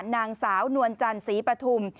นางสาวนวลจันศรีปธุม